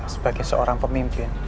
sebagai seorang pemimpin